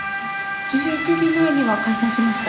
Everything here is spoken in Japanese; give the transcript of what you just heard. １１時前には解散しました。